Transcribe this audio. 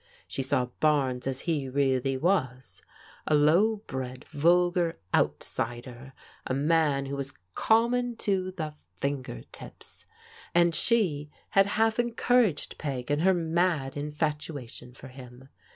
She saw Barnes as he really was, a low bred, vulgar outsider, a man who was common to the finger tips. And she had half encouraged Peg in her mad in fatuation for him.